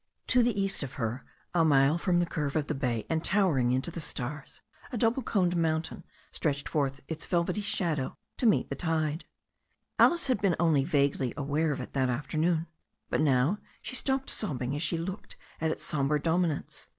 To the east of her, a mile from the curve of the bay, and towering into the stars, a double coned mountain stretched forth its velvety shadow to meet the tide. Alice had been only vaguely aware of it that afternoon, but now she stopped sobbing as she looked at its sombre dominance.